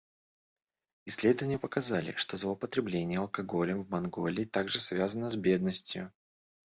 Исследования показали, что злоупотребление алкоголем в Монголии также связано с бедностью.